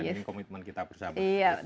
dan ini komitmen kita bersama